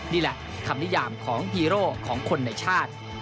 นี่แหละคำนิยามของฮีโร่ของคนในชาติ